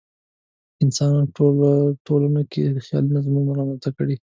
انسانانو په ټولنو کې خیالي نظمونه رامنځته کړي.